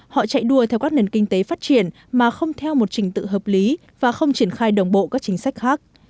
họ chạy đua theo các nền kinh tế phát triển mà không theo một trình tự hợp lý và không triển khai đồng bộ các chính sách khác